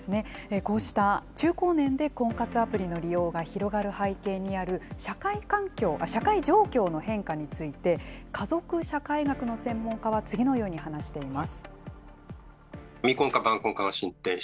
こうした中高年で婚活アプリの利用が広がる背景にある、社会状況の変化について、家族社会学の専門家は次のように話しています。